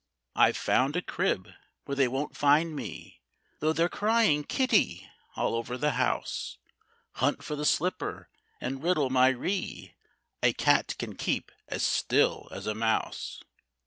I've found a crib where they won't find me, Though they're crying "Kitty!" all over the house. Hunt for the Slipper! and riddle my ree! A cat can keep as still as a mouse.